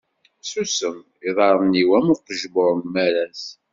Ssusen iḍaṛṛen-iw am uqejmuṛ n maras.